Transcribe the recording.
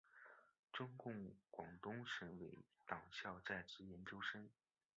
中共广东省委党校在职研究生。